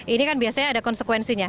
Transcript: ini kan biasanya ada konsekuensinya